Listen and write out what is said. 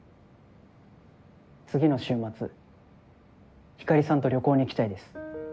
次の週末ひかりさんと旅行に行きたいです。